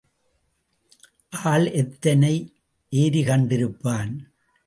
ஆள் எத்தனை ஏரி கண்டிருப்பான்.